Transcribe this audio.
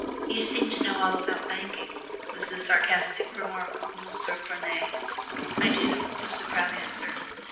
"You seem to know all about banking!" was the sarcastic remark of M. Vernet. "I do," was the proud answer.